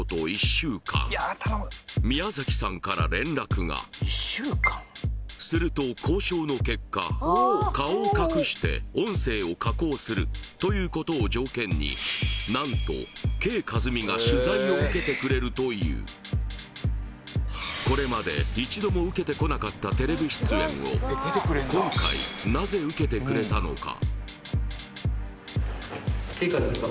１週間宮崎さんから連絡がすると交渉の結果顔を隠して音声を加工するということを条件に何とＫ．カズミが取材を受けてくれるというこれまで一度も受けてこなかったテレビ出演を今回なぜ受けてくれたのか？